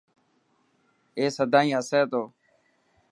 اي سداين هسي تو.